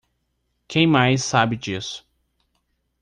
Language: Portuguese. Quem mais sabe disso?